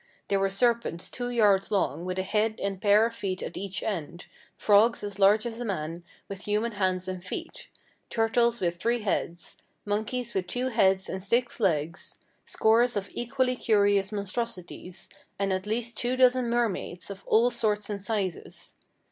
There were serpents two yards long, with a head and pair of feet at each end; frogs as large as a man, with human hands and feet; turtles with three heads; monkeys with two heads and six legs; scores of equally curious monstrosities; and at least two dozen mermaids, of all sorts and sizes.